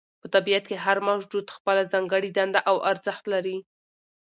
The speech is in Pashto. په طبیعت کې هر موجود خپله ځانګړې دنده او ارزښت لري.